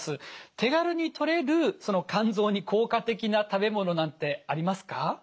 手軽にとれる肝臓に効果的な食べ物なんてありますか？